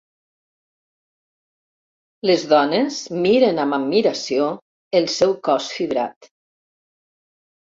Les dones miren amb admiració el seu cos fibrat.